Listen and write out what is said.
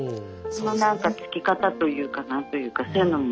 そのなんかつけ方というか何というかそういうのも。